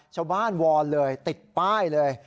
ชาวบ้านวอนเลยติดป้ายเลย